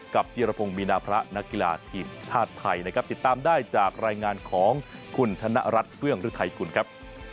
จีรพงศ์มีนาพระนักกีฬาทีมชาติไทยนะครับติดตามได้จากรายงานของคุณธนรัฐเฟื้องฤทัยกุลครับ